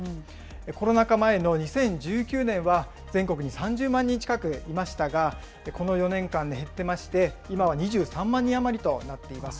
コロナ禍前の２０１９年は、全国に３０万人近くいましたが、この４年間で減ってまして、今は２３万人余りとなっています。